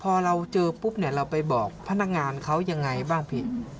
พอเราเจอปุ๊บเนี่ยเราไปบอกพนักงานเขายังไงบ้างพี่